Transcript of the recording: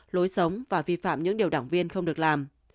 lối sống và vi phạm những điều đảng viên không được làm